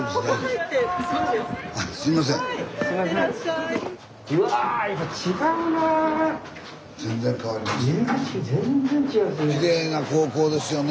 入り口全然違いますね。